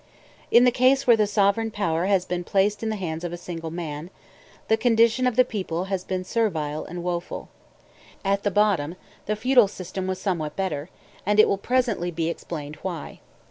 In the case where the sovereign power has been placed in the hands of a single man, the condition of the people has been servile and woful. At bottom the feudal system was somewhat better; and it will presently be explained why.